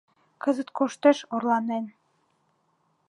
Кызыт коштеш орланен!..